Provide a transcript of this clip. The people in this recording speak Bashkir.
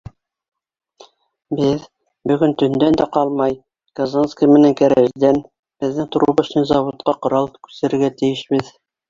Беҙ, бөгөн төндән дә ҡалмай, Казанский менән Кәрәждән беҙҙең Трубочный заводҡа ҡорал күсерергә тейешбеҙ.